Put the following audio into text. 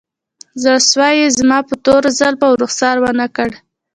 زړسوی یې زما په تورو زلفو او رخسار ونه کړ